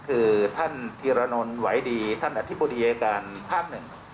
คือท่านธีรนนท์ไหวดีท่านอธิบดีอายการภาคหนึ่ง